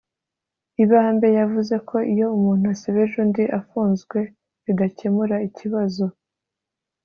Ibambe yavuze ko iyo umuntu asebeje undi afunzwe bidakemura ikibazo